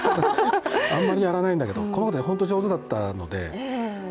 あんまりやらないんだけど、この子たち本当に上手だったので。